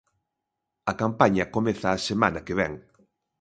A campaña comeza a semana que vén.